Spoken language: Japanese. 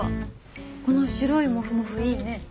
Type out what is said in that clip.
この白いモフモフいいね。